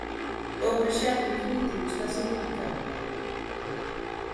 O proxecto definitivo está sen publicar.